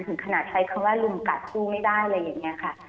ถึงขนาดใช้คำว่าลุมกัดคู่ไม่ได้อะไรอย่างนี้ค่ะ